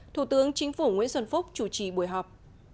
thủ tướng chính phủ nguyễn xuân phúc chủ trì buổi họp